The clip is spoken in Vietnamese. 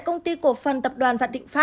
công ty cổ phân tập đoàn đầu tư